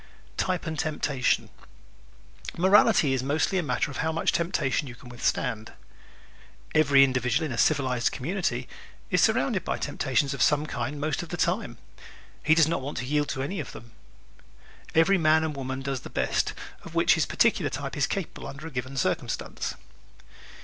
Type and Temptation ¶ Morality is mostly a matter of how much temptation you can withstand. Every individual in a civilized community is surrounded by temptations of some kind most of the time. He does not want to yield to any of them. Every man and woman does the best of which his particular type is capable under a given circumstance.